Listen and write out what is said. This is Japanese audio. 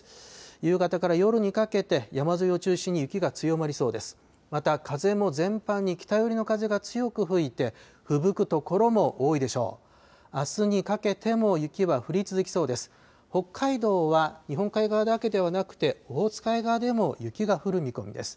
夕方から夜にかけて、山沿いを中心に雪が強まりそうです。